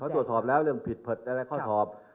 เพราะตัวสอบแล้วเรื่องผิดเผ็ดอะไรข้อสอบ